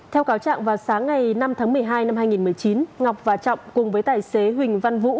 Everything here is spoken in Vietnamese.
theo cáo trạng vào sáng ngày năm tháng một mươi hai năm hai nghìn một mươi chín ngọc và trọng cùng với tài xế huỳnh văn vũ